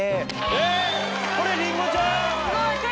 えっこれりんごちゃん？